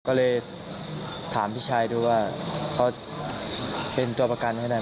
ก็เลยถามพี่ชายดูว่าเขาเป็นตัวประกันให้ได้